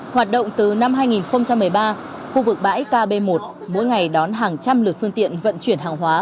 hoạt động từ năm hai nghìn một mươi ba khu vực bãi kb một mỗi ngày đón hàng trăm lượt phương tiện vận chuyển hàng hóa